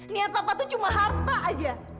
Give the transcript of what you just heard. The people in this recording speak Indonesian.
niat papa tuh cuma harta aja